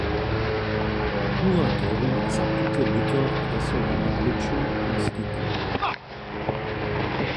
Kuratorij za tute myto je so w nalěću konstituował.